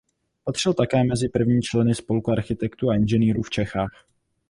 Patřil také mezi první členy Spolku architektů a inženýrů v Čechách.